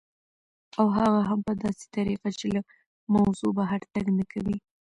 او هغه هم په داسې طریقه چې له موضوع بهر تګ نه کوي